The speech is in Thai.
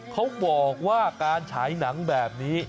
เขาบอกว่าการฉายหนังแบบนี้